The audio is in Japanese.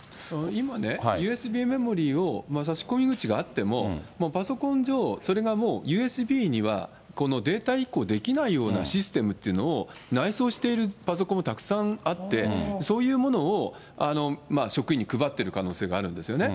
今ね、ＵＳＢメモリを差し込み口があっても、パソコン上、それがもうＵＳＢには、このデータ移行できないようなシステムっていうのを内装しているパソコンもたくさんあって、そういうものを職員に配ってる可能性があるんですよね。